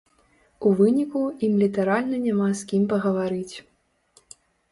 У выніку ім літаральна няма з кім пагаварыць.